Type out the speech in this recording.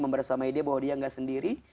membahasamai dia bahwa dia gak sendiri